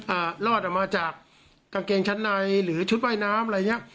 รอดออกมาจากกางเกงชั้นในหรือชุดว่ายน้ำอะไรอย่างเงี้ย